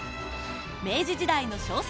明治時代の小説